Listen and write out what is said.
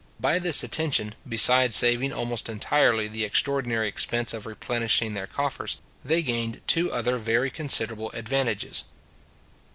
By this attention, besides saving almost entirely the extraordinary expense of replenishing their coffers, they gained two other very considerable advantages.